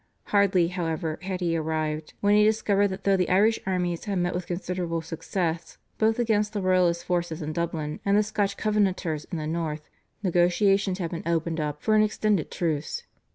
Hardly, however, had he arrived, when he discovered that though the Irish armies had met with considerable success both against the Royalist forces in Dublin and the Scotch Covenanters in the North, negotiations had been opened up for an extended truce.